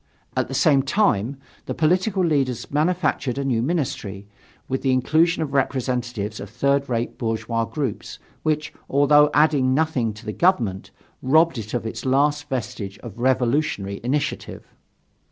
At the same time, the political leaders manufactured a new ministry, with the inclusion of representatives of third rate bourgeois groups, which, although adding nothing to the government, robbed it of its last vestige of revolutionary initiative.